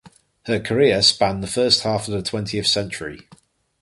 Her career spanned the first half of the twentieth century.